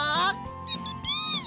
ピピピッ！